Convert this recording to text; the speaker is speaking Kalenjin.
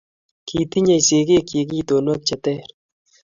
Kitinyei sigikyin itonwek che teer.